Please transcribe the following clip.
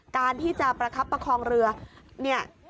การที่จะประคับประคองเรือเนี่ย